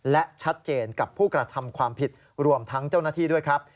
และชัดเจนกับผู้กระทำความผิดรวมทั้งเจ้าหน้าที่ด้วยครับ